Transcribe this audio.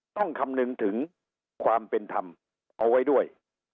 คำนึงถึงความเป็นธรรมเอาไว้ด้วย